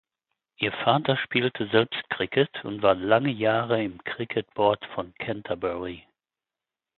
Ihr Vater spielte selbst Cricket und war lange Jahre im Cricket Board von Canterbury.